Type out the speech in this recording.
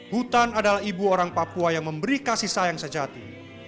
hutan adalah ibu orang papua yang memberi kasih sayang sejati